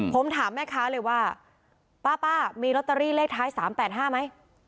ผมถามแม่ค้าเลยว่าป้ามีลอตเตอรี่เลขท้าย๓๘๕ไหม